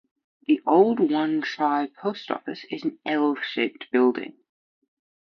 The Old Wan Chai Post Office is an L-shaped building.